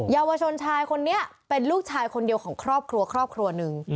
เยาวชนชายคนนี้เป็นลูกชายคนเดียวของครอบครัวครอบครัวหนึ่ง